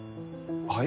はい？